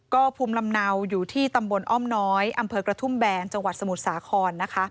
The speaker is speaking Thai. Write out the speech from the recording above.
ก็ภูมิลำเนาอยู่ที่ตำบลอ้อมน้อยอำเภอกระทุ่มแบนจังหวัดสมุทรสาครนะคะ